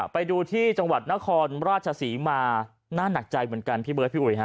ไปดูที่จังหวัดนครราชศรีมาน่าหนักใจเหมือนกันพี่เบิร์ดพี่อุ๋ยฮะ